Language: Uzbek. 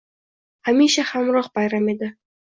Hamisha hamroh bayram edi.